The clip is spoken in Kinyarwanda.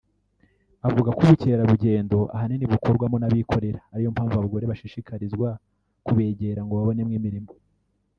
avuga ko ubukerarugendo ahanini bukorwamo n’abikorera ari yo mpamvu abagore bashishikarizwa kubegera ngo babonemo imirimo